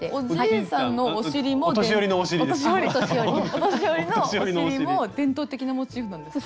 「お年寄りのお尻」も伝統的なモチーフなんですか？